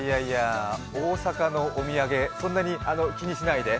大阪のおみやげ、そんなに気にしないで。